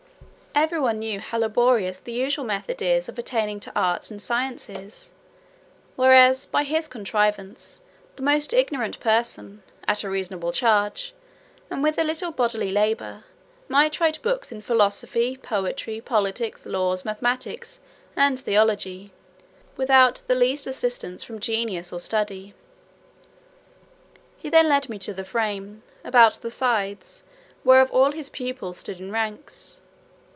Every one knew how laborious the usual method is of attaining to arts and sciences; whereas, by his contrivance, the most ignorant person, at a reasonable charge, and with a little bodily labour, might write books in philosophy, poetry, politics, laws, mathematics, and theology, without the least assistance from genius or study." He then led me to the frame, about the sides, whereof all his pupils stood in ranks.